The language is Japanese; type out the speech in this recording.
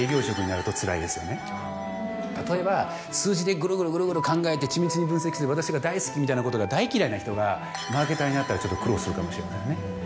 例えば数字でぐるぐるぐるぐる考えて緻密に分析する私が大好きなことが大嫌いな人がマーケターになったらちょっと苦労するかもしれませんね。